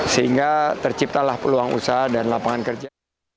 sehingga terciptalah peluang usaha dan lapangan kerja